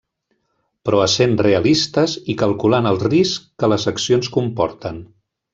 Però essent realistes i calculant els riscs que les accions comporten.